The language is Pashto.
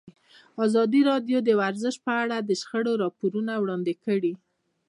ازادي راډیو د ورزش په اړه د شخړو راپورونه وړاندې کړي.